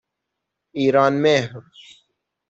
ایرانمهر